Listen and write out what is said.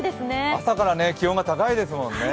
朝から気温が高いですもんね。